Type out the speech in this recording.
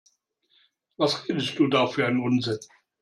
Was redest du da für einen Unsinn?